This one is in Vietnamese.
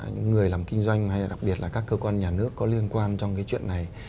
những người làm kinh doanh hay là đặc biệt là các cơ quan nhà nước có liên quan trong cái chuyện này